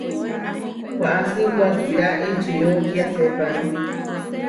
Waʼási wakirá ičió kiasépani.